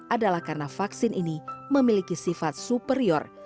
adalah karena vaksin ini memiliki sifat superior